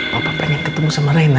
papa pengen ketemu sama reina